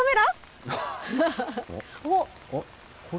おっ。